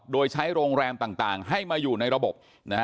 โดยใช้โรงแรมต่างให้มาอยู่ในระบบ